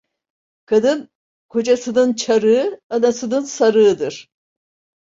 Kadın kocasının çarığı, anasının sarığıdır.